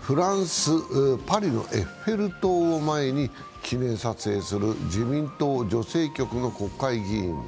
フランス・パリのエッフェル塔を前に記念撮影する自民党女性局の国会議員ら。